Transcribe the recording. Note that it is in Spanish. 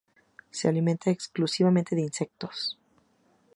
Se alimentan exclusivamente de insectos.